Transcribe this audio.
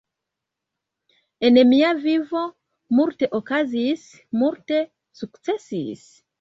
En mia vivo, multe okazis, multe sukcesis